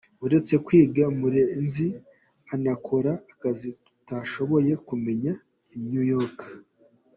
Uretse kwiga, Murenzi anakora akazi tutashoboye kumenya i New York.